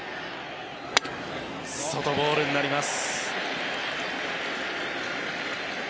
外、ボールになります。